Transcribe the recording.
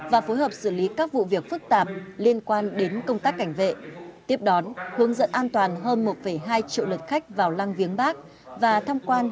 và phối hợp xử lý các vụ việc phức tạp liên quan đến công tác cảnh vệ tiếp đón hướng dẫn an toàn hơn một hai triệu lượt khách vào lăng viếng bắc và tham quan